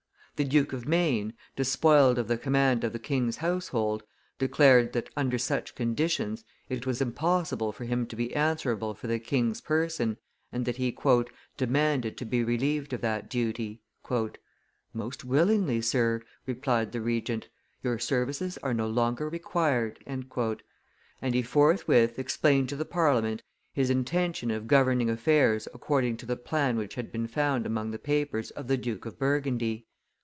The Duke of Maine, despoiled of the command of the king's household, declared that, under such conditions, it was impossible for him to be answerable for the king's person, and that he "demanded to be relieved of that duty." "Most willingly, Sir," replied the Regent; "your services are no longer required;" and he forthwith explained to the Parliament his intention of governing affairs according to the plan which had been found among the papers of the Duke of Burgundy.